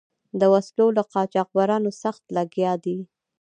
د وسلو له قاچبرانو سخت لګیا دي.